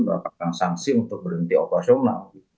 mendapatkan sanksi untuk berhenti operasional